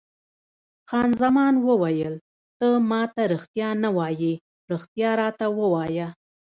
خان زمان وویل: ته ما ته رښتیا نه وایې، رښتیا راته ووایه.